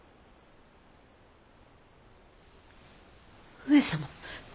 上様。